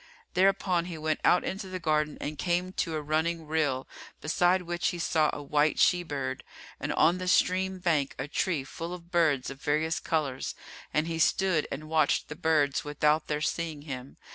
Thereupon he went out into the garden and came to a running rill beside which he saw a white she bird and on the stream bank a tree full of birds of various colours, and he stood and watched the birds without their seeing him.